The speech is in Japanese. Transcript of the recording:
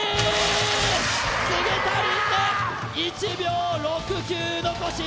１秒６９残し